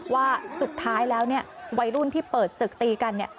ว่าสุดท้ายแล้ววัยรุ่นที่เปิดศึกตีกัน